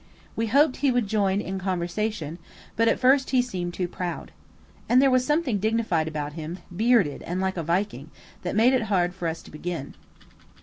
We hoped he would join in conversation, but at first he seemed too proud. And there was something dignified about him, bearded and like a Viking, that made it hard for us to begin.